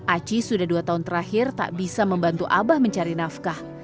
aci sudah dua tahun terakhir tak bisa membantu abah mencari nafkah